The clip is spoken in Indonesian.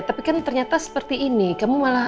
tapi kan ternyata seperti ini kamu malah